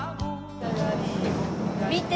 見て！